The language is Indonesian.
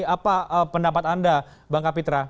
apa pendapat anda bang kapitra